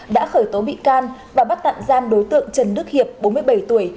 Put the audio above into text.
đã khởi tố bị can và bắt tạm giam đối tượng trần đức hiệp bốn mươi bảy tuổi